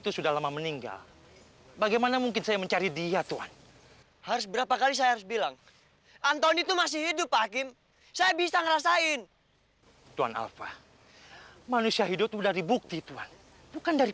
sampai jumpa di video selanjutnya